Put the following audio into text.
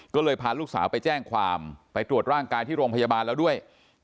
ก็เลยพาลูกสาวไปแจ้งความไปตรวจร่างกายที่โรงพยาบาลแล้วด้วย